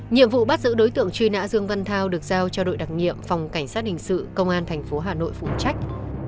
nhiệm vụ bắt giữ đối tượng truy nã dương văn thao được giao cho đội đặc nhiệm phòng cảnh sát hình sự công an tp hà nội phụ trách